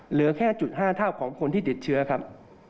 เหลือแค่จุด๕เท่าของคนที่ติดเชื้อครับ